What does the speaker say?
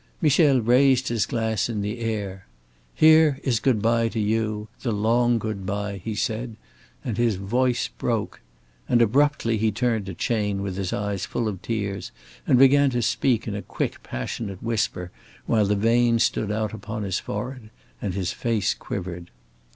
Michel raised his glass in the air. "Here is good by to you the long good by," he said, and his voice broke. And abruptly he turned to Chayne with his eyes full of tears and began to speak in a quick passionate whisper, while the veins stood out upon his forehead and his face quivered.